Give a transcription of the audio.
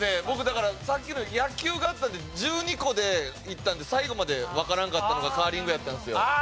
僕だからさっきの野球があったんで１２個でいったんで最後までわからなかったのがカーリングやったんですよ。